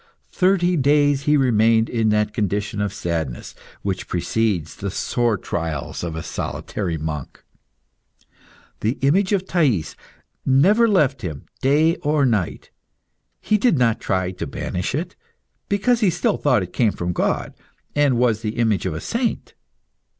Thirty days he remained in that condition of sadness which precedes the sore trials of a solitary monk. The image of Thais never left him day or night. He did not try to banish it, because he still thought it came from God, and was the image of a saint.